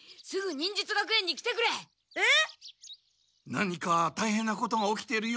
何かたいへんなことが起きているようだ。